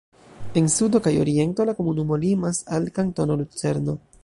En sudo kaj oriento la komunumo limas al Kantono Lucerno.